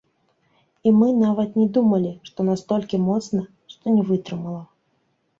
І мы нават не думалі, што настолькі моцна, што не вытрымала.